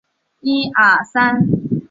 即清版过关型动作游戏。